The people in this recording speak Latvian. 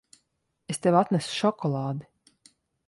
Es tev atnesu šokolādi.